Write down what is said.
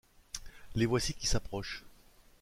Les voici qui s’approchent!